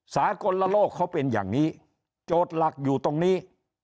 สากลโลกเขาเป็นอย่างนี้โจทย์หลักอยู่ตรงนี้